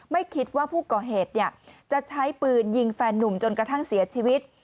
ไม่คิดว่าผู้ก่อเหตุจะใช้ปืนยิงแฟนนุ่มจนกระทั่งเสียชีวิต